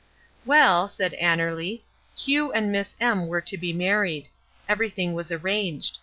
"Well," said Annerly, "Q and Miss M were to be married. Everything was arranged.